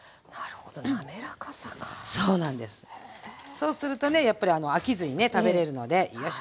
そうするとねやっぱり飽きずにね食べれるのでよいしょ。